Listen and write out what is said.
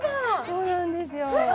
そうなんですよ！